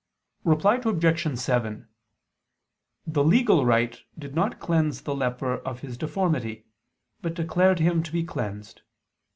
Reply Obj. 7: The legal rite did not cleanse the leper of his deformity, but declared him to be cleansed.